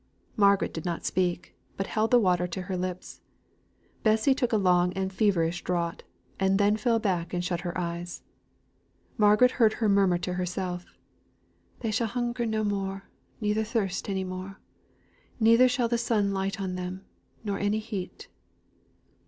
Margaret did not speak, but held the water to her lips. Bessy took a long and feverish draught, and then fell back and shut her eyes. Margaret heard her murmur to herself: "They shall hunger no more, neither thirst any more: neither shall the sun light on them, nor any heat."